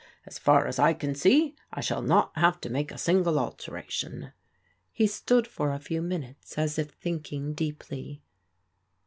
As far as I can see, I shall not have to make a single alteration." He stood for a few minutes as if thinking deeply.